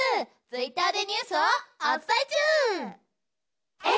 ツイッターでニュースをお伝え中。